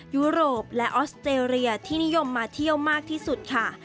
ยุโรปและออสเตรเลียที่นิยมมาเที่ยวมากที่สุดค่ะ